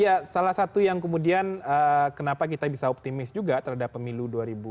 ya salah satu yang kemudian kenapa kita bisa optimis juga terhadap pemilu dua ribu dua puluh